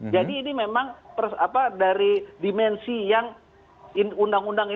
jadi ini memang dari dimensi yang